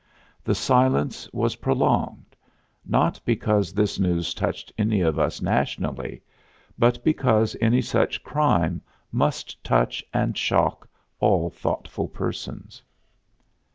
The silence was prolonged, not because this news touched any of us nationally but because any such crime must touch and shock all thoughtful persons.